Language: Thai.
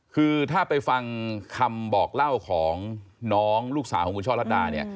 คือถ้าไปฟังคำบอกเล่าของน้องลูกสาวของคุณช่อลัดดาเนี่ย